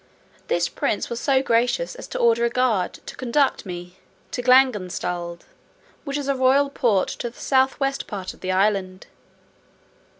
This prince was so gracious as to order a guard to conduct me to Glanguenstald, which is a royal port to the south west part of the island.